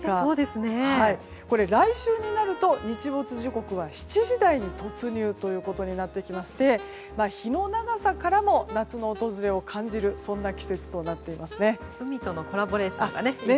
来週になると日没時刻は７時台に突入ということになってきまして日の長さからも夏の訪れを感じる海とのコラボレーション。